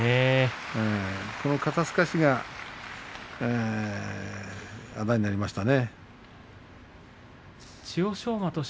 この肩すかしがあだになりましたね。